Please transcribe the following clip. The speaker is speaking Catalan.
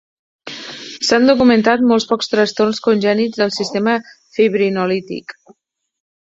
S'han documentat molt pocs trastorns congènits del sistema fibrinolític.